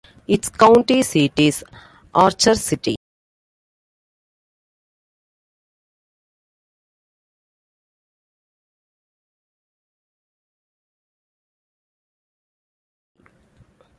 Its county seat is Archer City.